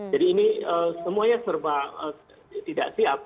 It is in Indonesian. jadi ini semuanya serba tidak siap